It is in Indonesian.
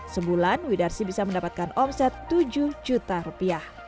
sembulan widarsih bisa mendapatkan omset rp tujuh